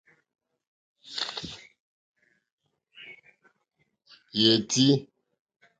Yétì.